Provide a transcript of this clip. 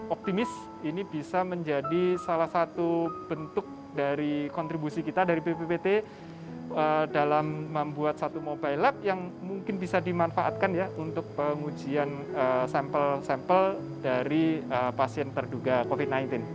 optimis ini bisa menjadi salah satu bentuk dari kontribusi kita dari bppt dalam membuat satu mobile lab yang mungkin bisa dimanfaatkan ya untuk pengujian sampel sampel dari pasien terduga covid sembilan belas